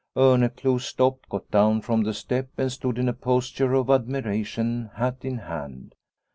Orneclou stopped, got down from the step and stood in a posture of admiration, hat in hand.